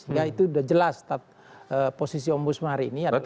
ya itu sudah jelas posisi ombudsman hari ini adalah